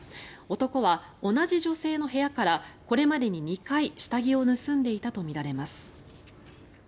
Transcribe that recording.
男は同じ女性の部屋からこれまでに２回下着を盗んでいたとみられます。